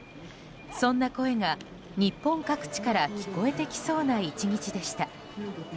そんな声が、日本各地から聞こえてきそうな１日でした。